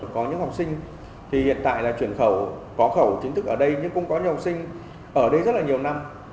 có những học sinh thì hiện tại là chuyển khẩu có khẩu chính thức ở đây nhưng cũng có nhiều học sinh ở đây rất là nhiều năm